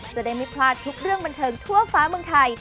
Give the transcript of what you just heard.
จะได้ไม่พลาดทุกเรื่องบันเทิงทั่วฟ้าเมืองไทย